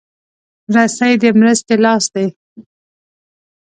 رسۍ د مرستې لاس دی.